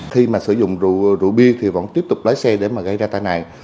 khi mà sử dụng rượu bia thì vẫn tiếp tục lái xe để mà gây ra tai nạn